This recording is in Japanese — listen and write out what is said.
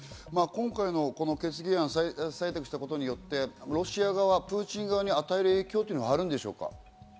今回の決議案、採択したことによってロシア側、プーチン側に与える影響というのはあるんでしょうか？